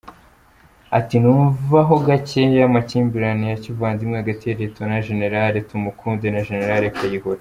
Ati: “Numvaho gakeya amakimbirane ya kivandimwe hagati Lt. Gen. Tumukunde na Gen. Kayihura.